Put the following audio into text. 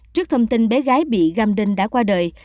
trước thông tin bé gái bị gam đinh đã qua đời